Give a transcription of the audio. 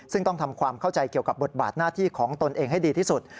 ซึ่งต้องทำความเข้าใจเกี่ยวกับบทบาทหน้าที่ของตนเองให้ดีที่สุด